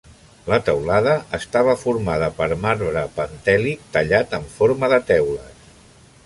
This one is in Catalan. La teulada estava formada per marbre pentèlic tallat en forma de teules.